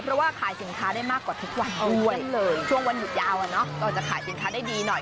เพราะว่าขายสินค้าได้มากกว่าทุกวันด้วยช่วงวันหยุดยาวก็จะขายสินค้าได้ดีหน่อย